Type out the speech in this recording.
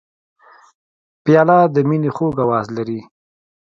پیاله د مینې خوږ آواز لري.